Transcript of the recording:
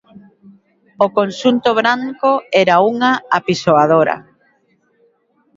O conxunto branco era unha apisoadora.